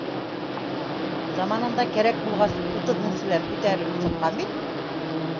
Заманында, кәрәк булғас, утыҙ меңселәр күтәрелеп сыҡ ҡан бит